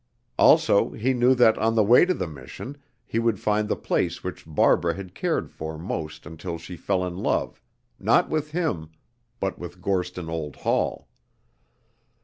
Also he knew that, on the way to the Mission, he would find the place which Barbara had cared for most until she fell in love not with him but with Gorston Old Hall.